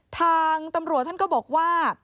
ทางตำรวจท่านก็บอกว่า